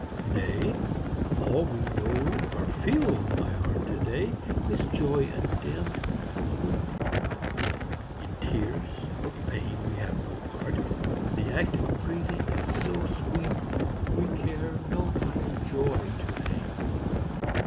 Nay! all we know, or feel, my heart, To day is joy undimmed, complete; In tears or pain we have no part; The act of breathing is so sweet, We care no higher joy to name.